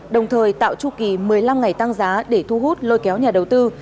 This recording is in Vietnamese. đồng thời tạo chu kỳ một mươi năm ngày tăng giá để thu hút lôi kéo nhà đầu tư